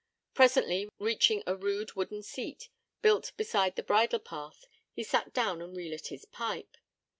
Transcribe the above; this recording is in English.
Presently, reaching a rude wooden seat, built beside the bridle path, he sat down and relit his pipe.